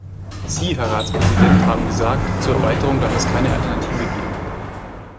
Sie, Herr Ratspräsident, haben gesagt, zur Erweiterung darf es keine Alternative geben.